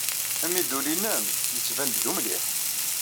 Amidul-nnem yettban-d d umliḥ.